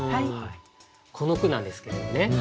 この句なんですけどね